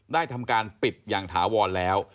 ได้ทำการปิดอย่างถาวรแล้ว